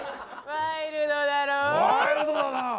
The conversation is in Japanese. ワイルドだな。